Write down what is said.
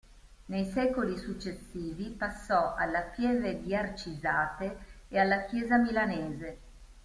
Nei secoli successivi passò alla Pieve di Arcisate e alla Chiesa milanese.